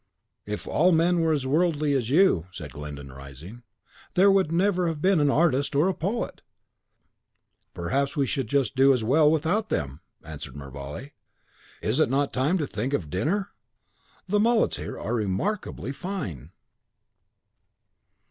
"If all men were as worldly as you," said Glyndon, rising, "there would never have been an artist or a poet!" "Perhaps we should do just as well without them," answered Mervale. "Is it not time to think of dinner? The mullets here are remarkably fine!"